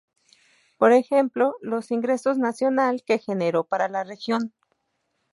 Por ejemplo, los ingresos nacional que generó para la región.